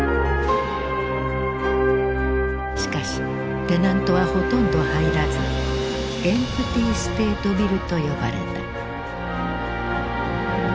しかしテナントはほとんど入らずエンプティステートビルと呼ばれた。